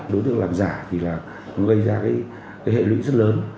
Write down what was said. đối tượng làm giả thì là gây ra cái hệ lũy rất lớn